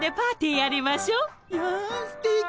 やんすてき。